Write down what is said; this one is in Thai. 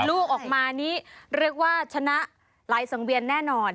ลูกออกมานี้เรียกว่าชนะหลายสังเวียนแน่นอน